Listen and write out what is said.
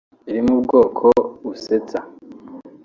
iri mu bwoko busetsa